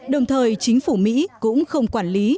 đồng thời chính phủ mỹ cũng không quản lý